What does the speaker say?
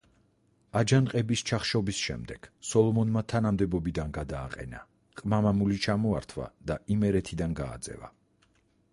აჯანყების ჩახშობის შემდეგ სოლომონმა თანამდებობიდან გადააყენა, ყმა-მამული ჩამოართვა და იმერეთიდან გააძევა.